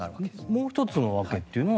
もう１つの訳というのは？